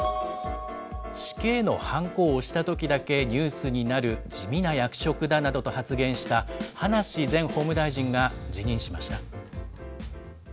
死刑のはんこを押したときだけニュースになる地味な役職だなどと発言した葉梨前法務大臣が辞任しました。